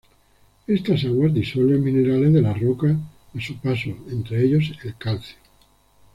Estas aguas disuelven minerales de las rocas a su paso, entre ellos, el calcio.